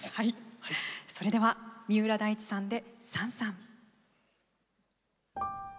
それでは、三浦大知さんで「燦燦」。